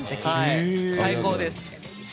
最高です。